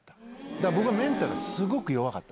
だから僕はメンタル、すごく弱かった。